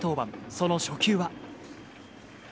その初球は。